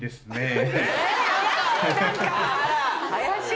怪しい！